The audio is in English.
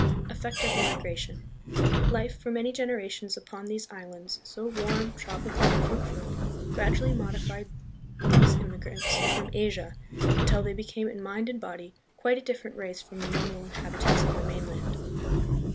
Effect of the Migration. Life for many generations, upon these islands, so warm, tropical, and fruitful, gradu ually modified these emigrants from Asia, until they be came in mind and body quite a different race from the Mongol inhabitants of the mainland.